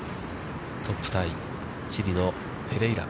トップタイ、チリのペレイラ。